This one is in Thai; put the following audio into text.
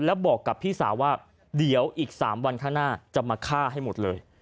แล้วบอกกับพี่สาวว่าเดี๋ยวอีก๓วันข้างหน้าจะมาฆ่าให้หมดเลย